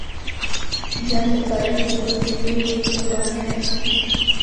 جنګ د تاریخ په اوږدو کې ډېرې قربانۍ اخیستې دي.